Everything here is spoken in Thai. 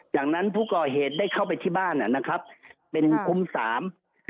จากนั้นพวกอ๋อเหตุได้เข้าไปที่บ้านเป็นคุมสาม